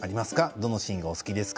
どのシーンがお好きですか？